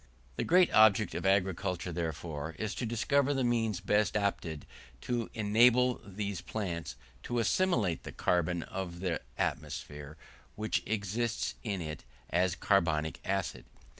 The great object of agriculture, therefore, is to discover the means best adapted to enable these plants to assimilate the carbon of the atmosphere which exists in it as carbonic acid.